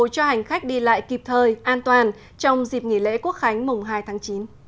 cho hành khách đi lại kịp thời an toàn trong dịp nghỉ lễ quốc khánh mùng hai tháng chín